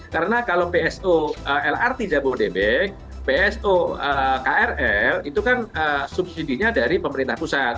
karena kalau pso lrt jabodetabek pso krl itu kan subsidinya dari pemerintah pusat